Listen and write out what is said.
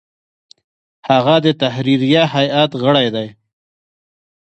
هغه د تحریریه هیئت غړی دی.